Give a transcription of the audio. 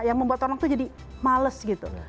yang membuat orang tuh jadi males gitu